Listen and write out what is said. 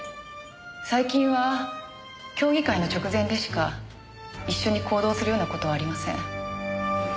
最近は競技会の直前でしか一緒に行動するような事はありません。